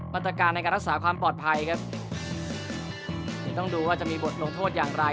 มาตรการในการรักษาความปลอดภัยครับเดี๋ยวต้องดูว่าจะมีบทลงโทษอย่างไร